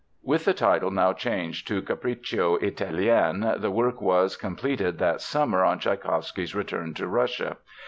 With the title now changed to Capriccio Italien, the work was completed that summer on Tschaikowsky's return to Russia.